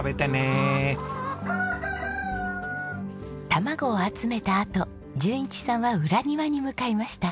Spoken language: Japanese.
卵を集めたあと淳一さんは裏庭に向かいました。